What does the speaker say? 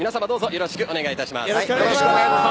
よろしくお願いします。